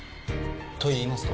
といいますと？